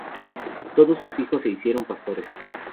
Todos sus hijos se hicieron pastores.